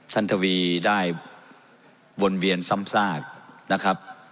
ทวีได้วนเวียนซ้ำซากนะครับ